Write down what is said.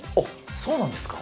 そうなんですか？